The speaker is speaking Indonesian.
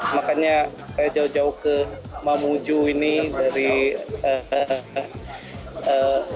makanya saya jauh jauh ke mamuju ini dari